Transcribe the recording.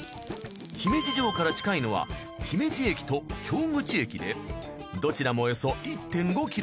姫路城から近いのは姫路駅と京口駅でどちらもおよそ１．５ｋｍ。